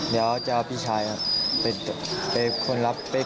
เดี๋ยวจะเอาพี่ชายไปคลนถือเงิน